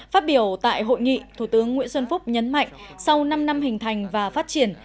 phát biểu tại hội nghị thủ tướng nguyễn xuân phúc nhấn mạnh sau năm năm hình thành và phát triển